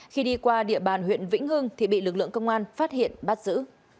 khi đi qua địa bàn huyện vĩnh hưng thì bị lực lượng công an phát hiện bắt giữ